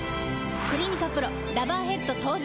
「クリニカＰＲＯラバーヘッド」登場！